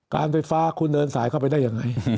การไฟฟ้าคุณเดินสายเข้าไปได้ยังไง